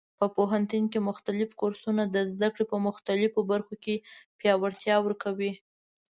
په پوهنتون کې مختلف کورسونه د زده کړې په مختلفو برخو کې پیاوړتیا ورکوي.